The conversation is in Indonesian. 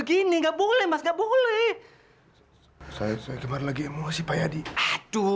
karena mas berry gak punya apa apa